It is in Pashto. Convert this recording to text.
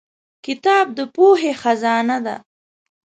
کتاب د پوهې خزانه ده.